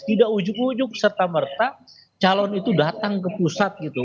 tidak ujuk ujuk serta merta calon itu datang ke pusat gitu